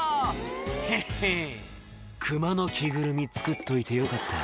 「ヘッヘクマの着ぐるみ作っといてよかった」